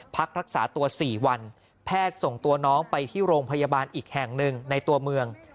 พักรักษาตัว๔วันแพทย์ส่งตัวน้องไปที่โรงพยาบาลอีกแห่งหนึ่งในตัวเมือง